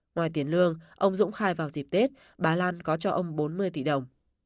ngoài tiền lương ông dũng khai vào dịp tết bà lan có cho ông bốn mươi tỷ đồng